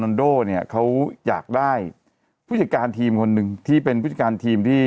โดเนี่ยเขาอยากได้ผู้จัดการทีมคนหนึ่งที่เป็นผู้จัดการทีมที่